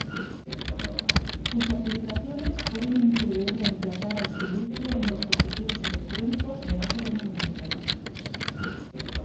Sus aplicaciones pueden incluir reemplazar al silicio en dispositivos electrónicos de alto rendimiento.